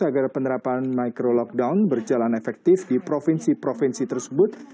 agar penerapan micro lockdown berjalan efektif di provinsi provinsi tersebut